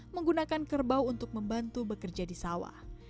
menggunakan kerbau untuk membantu bekerja di sawah